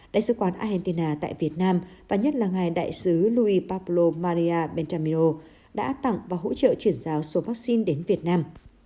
đại sứ quán argentina tại việt nam và nhất là ngài đại sứ loui paplo maria bentamino đã tặng và hỗ trợ chuyển giao số vaccine đến việt nam